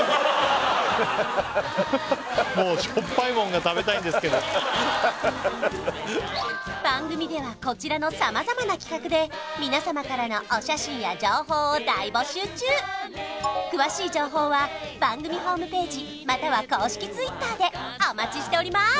もう番組ではこちらのさまざまな企画で皆様からのお写真や情報を大募集中詳しい情報は番組ホームページまたは公式Ｔｗｉｔｔｅｒでお待ちしております！